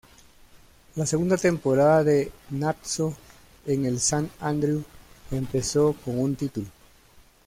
La segunda temporada de Natxo en el Sant Andreu empezó con un título.